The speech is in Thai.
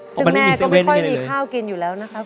ซึ่งแม่ก็ไม่ค่อยมีข้าวกินอยู่แล้วนะครับ